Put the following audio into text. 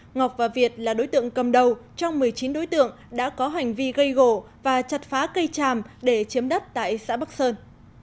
ngọc và việt là đối tượng cầm đầu trong một mươi chín đối tượng đã có hành vi gây gổ và chặt phá cây tràm để chiếm đất tại xã bắc sơn